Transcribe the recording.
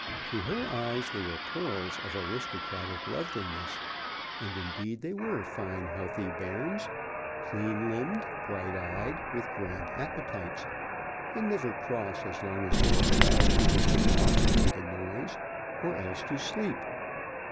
To her eyes they were pearls of aristocratic loveliness; and, indeed, they were fine healthy bairns, clean limbed, bright eyed, with grand appetites, and never cross as long as they were allowed either to romp and make a noise, or else to sleep.